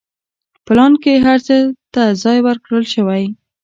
پلان کې هر څه ته ځای ورکړل شوی و.